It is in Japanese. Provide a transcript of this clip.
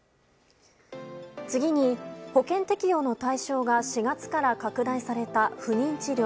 次に保険適用の対象が４月から拡大された不妊治療。